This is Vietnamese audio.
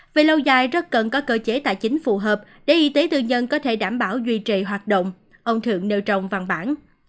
về lâu dài rất cần có cơ chế tài chính phù hợp để y tế tư nhân có thể đảm bảo duy trì hoạt động ông thượng nêu trong văn bản